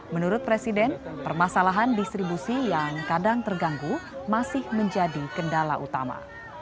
menurut presiden permasalahan distribusi yang kadang terganggu masih menjadi kendala utama